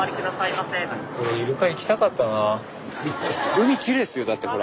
海きれいっすよだってほら。